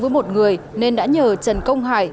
với một người nên đã nhờ trần công hải